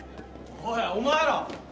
・おいお前ら！